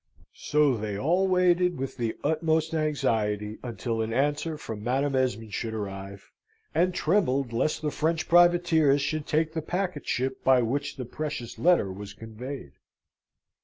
So they all waited with the utmost anxiety until an answer from Madam Esmond should arrive; and trembled lest the French privateers should take the packet ship by which the precious letter was conveyed.